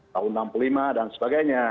tahun enam puluh lima dan sebagainya